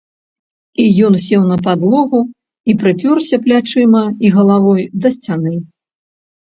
І ён сеў на падлогу і прыпёрся плячыма і галавой да сцяны.